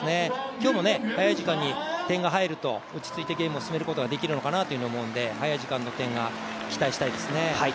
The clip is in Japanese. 今日も早い時間に点が入ると、落ち着いてゲームを進めることができると思うので早い時間の点が期待したいですね。